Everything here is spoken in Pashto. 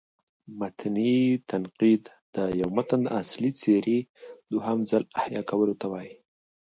متني تنقید: د یو متن د اصلي څېرې دوهم ځل احیا کولو ته وايي.